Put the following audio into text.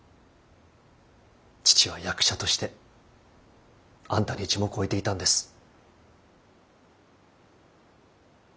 父は役者としてあんたに一目置いていたんです。